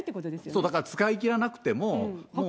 そう、だから使い切らなくても。